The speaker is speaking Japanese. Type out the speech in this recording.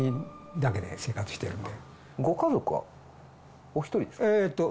今は年金だけで生活してるんで。